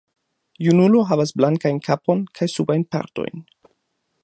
Junulo havas blankajn kapon kaj subajn partojn.